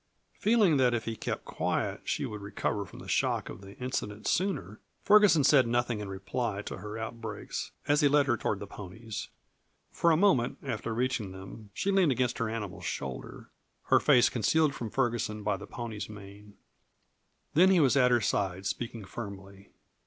Feeling that if he kept quiet she would recover from the shock of the incident sooner, Ferguson said nothing in reply to her outbreaks as he led her toward the ponies. For a moment after reaching them she leaned against her animal's shoulder, her face concealed from Ferguson by the pony's mane. Then he was at her side, speaking firmly.